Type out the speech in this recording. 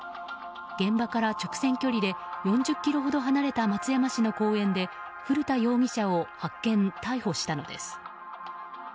現場から直線距離で４０ｋｍほど離れた松山市の公園で古田容疑者を発見・逮捕したのです。